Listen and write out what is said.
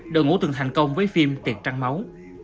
đội ngũ từng thành công với phim tiệc trăng máu